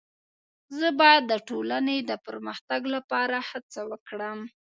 زه باید د ټولني د پرمختګ لپاره هڅه وکړم.